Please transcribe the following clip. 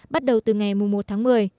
bắt đầu từ ngày một tháng một mươi